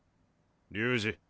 龍二。